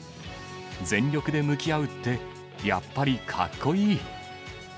全力で向き合うって、やっぱりかっこいい！